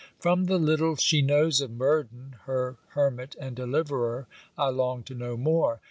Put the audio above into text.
From the little she knows of Murden, (her hermit and deliverer) I long to know more.